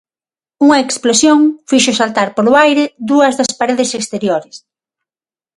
Unha explosión fixo saltar polo aire dúas das paredes exteriores.